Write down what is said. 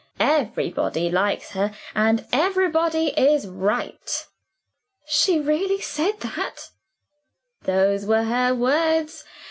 Everybody likes her and everybody is right.'" "She really said that?" "Those were her words.